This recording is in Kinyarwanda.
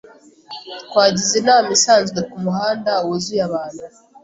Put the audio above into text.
Twagize inama isanzwe kumuhanda wuzuye abantu.